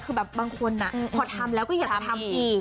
คือแบบบางคนพอทำแล้วก็อย่าทำอีก